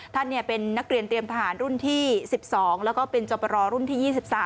ท่านเป็นนักเรียนเตรียมทหารรุ่นที่๑๒แล้วก็เป็นจบรอรุ่นที่๒๓